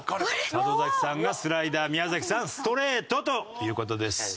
里崎さんがスライダー宮崎さんストレートという事です。